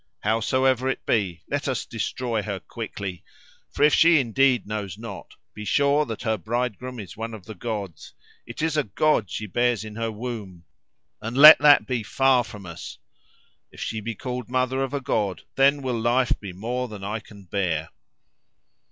Howsoever it be, let us destroy her quickly. For if she indeed knows not, be sure that her bridegroom is one of the gods: it is a god she bears in her womb. And let that be far from us! If she be called mother of a god, then will life be more than I can bear."